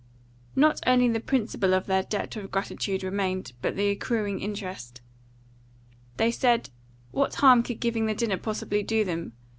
Not only the principal of their debt of gratitude remained, but the accruing interest. They said, What harm could giving the dinner possibly do them?